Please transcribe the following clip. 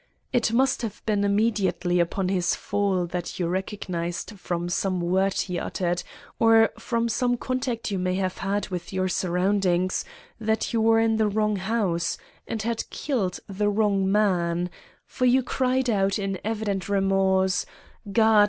It must have been immediately upon his fall that you recognized from some word he uttered, or from some contact you may have had with your surroundings, that you were in the wrong house and had killed the wrong man; for you cried out, in evident remorse, 'God!